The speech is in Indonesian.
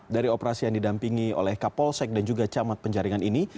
dari operasi yang didampingi oleh kapolsek dan juga camat penjaringan ini